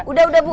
udah udah bu